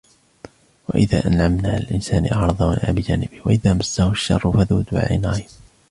وَإِذَا أَنْعَمْنَا عَلَى الْإِنْسَانِ أَعْرَضَ وَنَأَى بِجَانِبِهِ وَإِذَا مَسَّهُ الشَّرُّ فَذُو دُعَاءٍ عَرِيضٍ